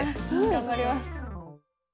頑張ります。